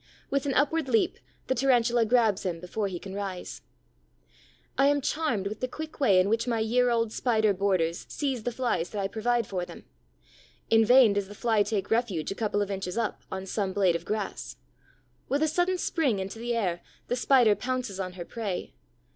With an upward leap, the Tarantula grabs him before he can rise. I am charmed with the quick way in which my year old Spider boarders seize the Flies that I provide for them. In vain does the Fly take refuge a couple of inches up, on some blade of grass. With a sudden spring into the air, the Spider pounces on her prey.